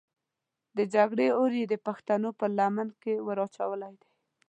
د جګړې اور یې د پښتنو په لمن کې ور اچولی دی.